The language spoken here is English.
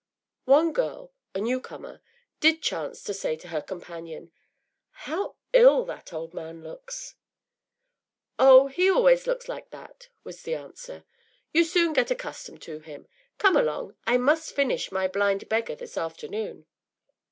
One girl, a new comer, did chance to say to her companion: “How ill that old man looks!” “Oh, he always looks like that,” was the answer. “You will soon get accustomed to him. Come along! I must finish my ‘Blind Beggar’ this afternoon.